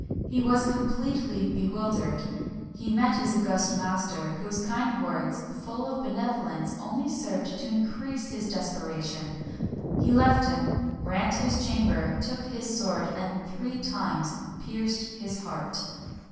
He was completely bewildered: he met his august master, whose kind words, full of benevolence, only served to increase his desperation; he left him, ran to his chamber, took his sword, and three times pierced his heart.